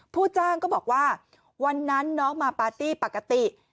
ผู้จ้างก็บอกว่าวันนั้นน้องมาปาร์ตี้ปกติ